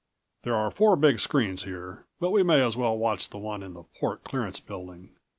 There are four big screens here, but we may as well watch the one in the port clearance building.